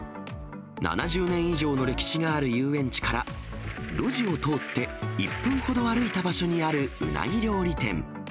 ７０年以上の歴史がある遊園地から、路地を通って１分ほど歩いた場所にあるうなぎ料理店。